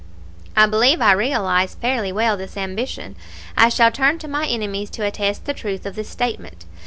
[*][*] I believe I realized fairly well this ambition. I shall turn to my enemies to attest the truth of this statement.